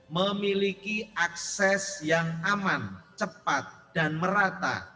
memiliki akses yang aman cepat dan merata